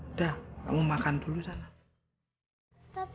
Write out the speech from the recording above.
udah kamu makan dulu sana